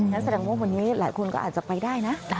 แสดงว่าวันนี้หลายคนก็อาจจะไปได้นะ